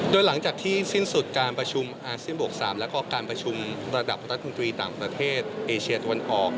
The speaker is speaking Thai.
โดยหลังจากที่สิ้นสุดการประชุมอาเซียนบวก๓แล้วก็การประชุมระดับรัฐมนตรีต่างประเทศเอเชียตะวันออก